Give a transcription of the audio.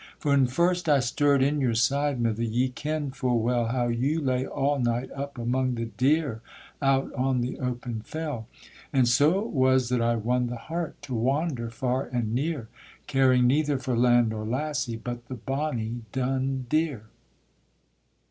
For when first I stirred in your side, mither, ye ken full well How you lay all night up among the deer out on the open fell; And so it was that I won the heart to wander far and near, Caring neither for land nor lassie, but the bonnie dun deer.